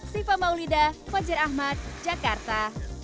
siva maulida fajar ahmad jakarta